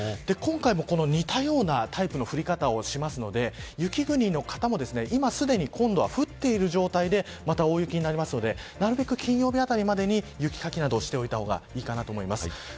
今回も似たようなタイプの降り方をしますので雪国の方も、今すでに降っている状態でまた大雪になりますのでなるべく金曜日あたりまでに雪かきをしていた方がいいと思います。